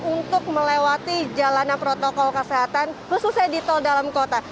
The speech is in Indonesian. untuk melewati jalanan protokol kesehatan khususnya di tol dalam kota